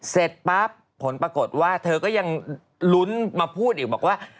เสร็จปั๊บผลปรากฏว่าเธอก็ยังลุ้นมาพูดอีกบอกว่า